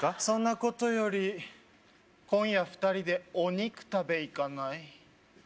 そんなことより今夜２人でお肉食べ行かない？